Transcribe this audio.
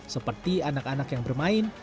seperti anak anak yang bermain